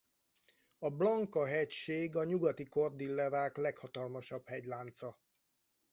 A Blanca-hegység a Nyugati-Kordillerák leghatalmasabb hegylánca.